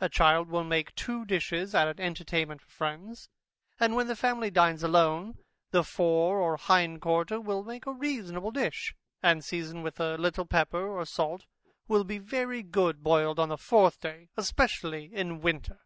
A child will make two dishes at an entertainment for friends, and when the family dines alone, the fore or hind quarter will make a reasonable dish, and seasoned with a little pepper or salt, will be very good boiled on the fourth day, especially in winter.